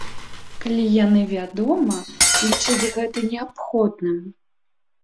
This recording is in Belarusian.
Калі яны, вядома, лічаць гэта неабходным.